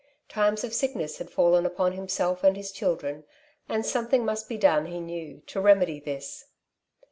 Times of sickness had fallen upon himself and his children, and something must be done, he knew, to remedy this.